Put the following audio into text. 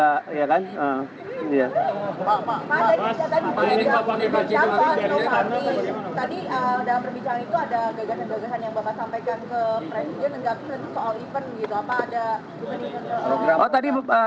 pak tadi ada perbicaraan yang bapak sampaikan ke presiden enggak itu soal event gitu apa ada